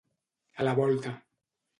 A la volta.